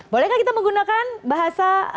bolehkah kita menggunakan bahasa